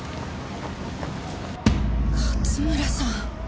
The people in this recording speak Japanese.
勝村さん！？